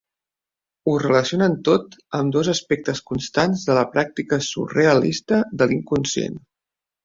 Ho relacionen tot amb dos aspectes constants de la pràctica surrealista de l'inconscient.